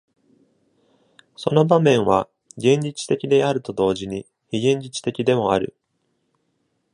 その場面は現実的であると同時に非現実的でもある。